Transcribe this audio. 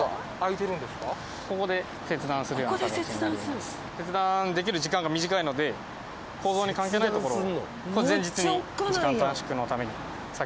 切断できる時間が短いので構造に関係ないところを前日に時間短縮のために先に切り落としてます。